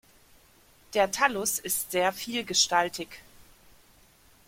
Der Thallus ist sehr vielgestaltig.